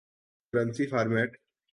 currency format